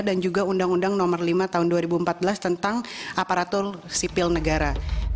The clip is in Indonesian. dan juga undang undang nomor lima tahun dua ribu empat belas tentang aparatur sipil negara